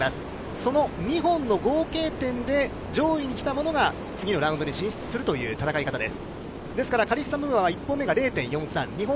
その２本の合計点で上位に来たものが次のラウンドに進出するという戦い方です。